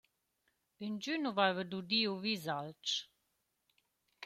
Ingün nu vaiva dudi o vis alch.